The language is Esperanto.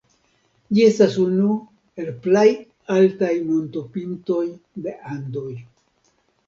Ĝi estas unu el plej altaj montopintoj de Andoj.